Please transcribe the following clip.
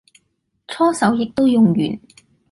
搓手液都用完